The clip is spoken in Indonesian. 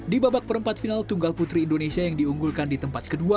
di babak perempat final tunggal putri indonesia yang diunggulkan di tempat kedua